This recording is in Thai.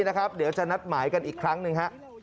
เดี๋ยวจะรับสิ้นอีกครั้งหนึ่ง